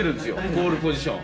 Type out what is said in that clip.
ポールポジション。